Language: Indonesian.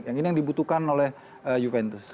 yang ini yang dibutuhkan oleh juventus